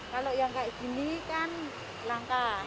kalau yang kayak gini kan langka